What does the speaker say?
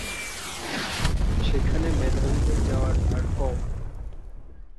সেখানে মেধাবীদের যাওয়ার হার কম।